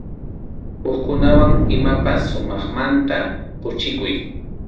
Hukkunawan imapas sumaqmanta quchikuy.